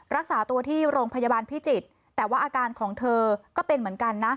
รักษาตัวที่โรงพยาบาลพิจิตรแต่ว่าอาการของเธอก็เป็นเหมือนกันนะ